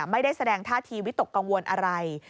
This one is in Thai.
ไม่ได้แสดงท่าทีวิตกกังวลอะไร